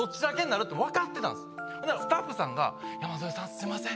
ほんならスタッフさんが「山添さんすいません。